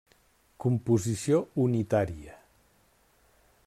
Composició unitària.